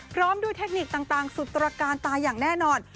พร้อมด้วยเทคนิคต่างสุดตรการตาอย่างแน่นอน